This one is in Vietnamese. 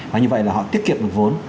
và như vậy là họ tiết kiệm lực vốn